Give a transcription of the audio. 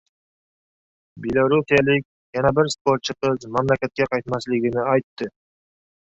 Belorussiyalik yana bir sportchi qiz mamlakatga qaytmasligini aytdi